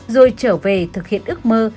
rồi trở về thực hiện ước mơ